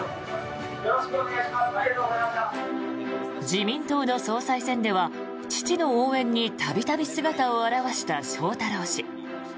自民党の総裁選では父の応援に度々姿を現した翔太郎氏。